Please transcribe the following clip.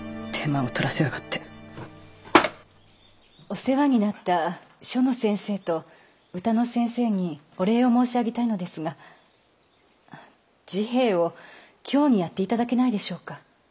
お世話になった書の先生と歌の先生にお礼を申し上げたいのですが治平を京にやって頂けないでしょうか？